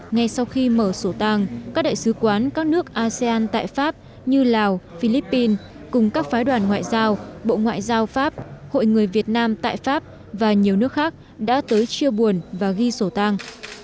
ngay sau khi mở sổ tang các đại sứ quán các nước asean tại pháp như lào philippines cùng các phái đoàn ngoại giao bộ ngoại giao pháp hội người việt nam tại pháp và nhiều nước khác đã tới chia buồn và ghi sổ tang